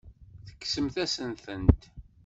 Tekksemt-asen-tent.